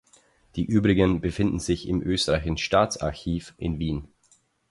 Die übrigen befinden sich im Österreichischen Staatsarchiv in Wien.